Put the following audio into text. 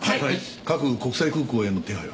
各国際空港への手配は？